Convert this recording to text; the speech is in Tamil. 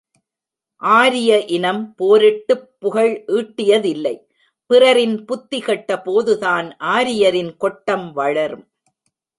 ஆரிய இனம் போரிட்டுப் புகழ் ஈட்டியதில்லை பிறரின் புத்தி கெட்டபோதுதான் ஆரியரின் கொட்டம் வளரும்!